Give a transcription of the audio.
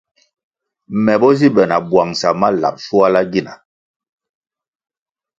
Me bo zi be na bwangʼsa ma lab shuala gina.